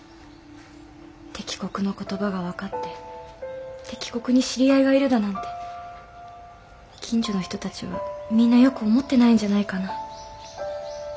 敵国の言葉が分かって敵国に知り合いがいるだなんて近所の人たちはみんなよく思ってないんじゃないかな。